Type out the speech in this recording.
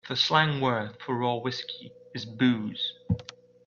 The slang word for raw whiskey is booze.